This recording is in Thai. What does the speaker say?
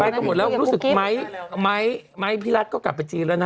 กันหมดแล้วรู้สึกไม้พี่รัฐก็กลับไปจีนแล้วนะ